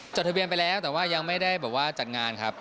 จดทะเบียนไปแล้วแต่ว่ายังไม่ได้แบบว่าจัดงานครับ